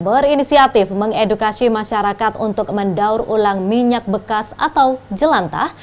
berinisiatif mengedukasi masyarakat untuk mendaur ulang minyak bekas atau jelantah